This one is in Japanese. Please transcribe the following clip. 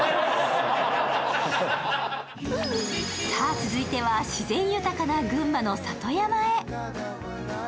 続いては自然豊かな群馬の里山へ。